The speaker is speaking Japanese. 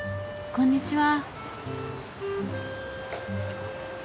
こんにちは。